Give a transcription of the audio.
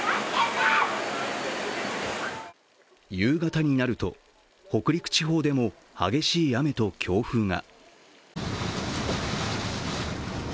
夕方になると、北陸地方でも激しい雨と強風が。